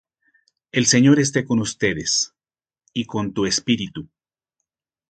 El Señor esté con ustedes. Y con tu espíritu.